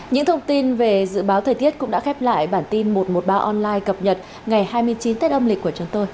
những thông tin về dự báo thời tiết cũng đã khép lại bản tin một trăm một mươi ba online cập nhật ngày hai mươi chín tết âm lịch của chúng tôi